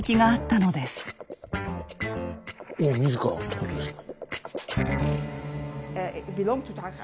王自らってことですか。